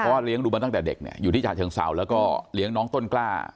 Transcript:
เพราะว่าเลี้ยงดูมาตั้งแต่เด็กเนี่ยอยู่ที่ฉะเชิงเศร้าแล้วก็เลี้ยงน้องต้นกล้า